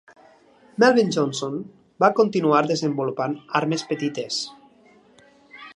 Melvin Johnson va continuar desenvolupant armes petites.